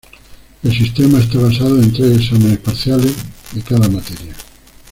El sistema está basado en tres exámenes parciales de cada materia.